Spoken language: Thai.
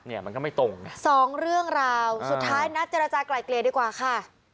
เนี่ยมันก็ไม่ตรงนะสองเรื่องราวสุดท้ายนัดเจรจากลายเกลี่ยดีกว่าค่ะ